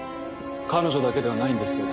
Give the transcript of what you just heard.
彼女だけではないんです。